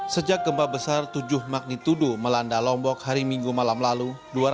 sejak gempa besar tujuh magnitudo melanda lombok hari minggu malam lalu